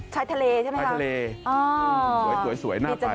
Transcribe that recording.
ใช้ทะเลใช่ไหมคะใช้ทะเลสวยหน้าไป